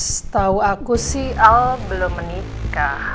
setahu aku sih al belum menikah